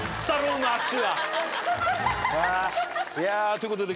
いやということで。